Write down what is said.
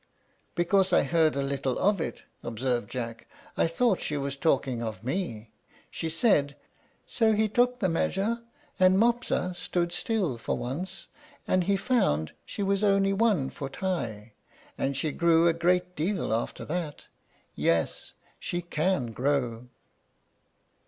"Because I heard a little of it," observed Jack. "I thought she was talking of me. She said 'So he took the measure, and Mopsa stood still for once, and he found she was only one foot high, and she grew a great deal after that. Yes, she can grow.'"